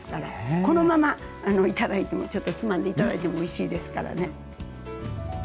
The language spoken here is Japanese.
このまま頂いてもちょっとつまんで頂いてもおいしいですからね。